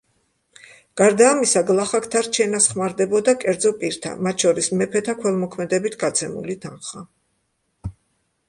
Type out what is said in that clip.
გარდა ამისა, გლახაკთა რჩენას ხმარდებოდა კერძო პირთა, მათ შორის მეფეთა, ქველმოქმედებით გაცემული თანხა.